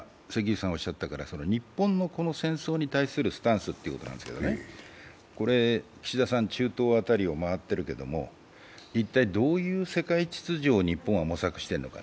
日本のこの戦争に対するスタンスということなんですけど岸田さん、中東辺りを回っているけれども、一体どういう世界秩序を日本は模索しているのか。